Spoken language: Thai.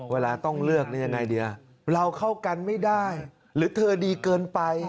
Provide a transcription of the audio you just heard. เวลาต้องเลือกนี่ยังไงดีเราเข้ากันไม่ได้หรือเธอดีเกินไป